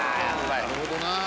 なるほどな。